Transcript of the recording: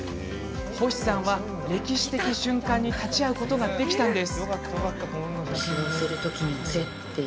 星さんは歴史的瞬間に立ち会うことができたんです。